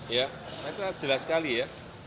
ya saya kira jelas sekali ya